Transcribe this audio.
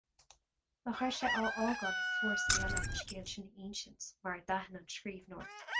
Nach raibh sé á fhágáil ag fórsaí eile an scéal sin a insint, mar a d'aithin an scríbhneoir.